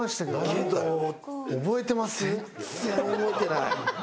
全然覚えてない。